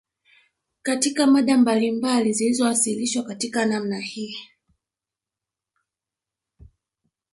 Katika mada mbalimbali zilizowasilishwa katika namna hii